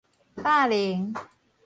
霸凌